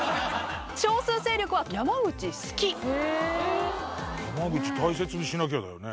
少数勢力は山口「好き」山口大切にしなきゃだよね。